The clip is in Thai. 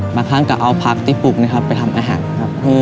บางครั้งก็เอาผักที่ปลูกนะครับไปทำอาหารครับ